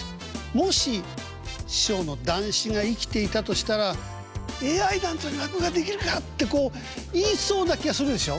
もし師匠の談志が生きていたとしたら「ＡＩなんかに落語ができるか」ってこう言いそうな気がするでしょ。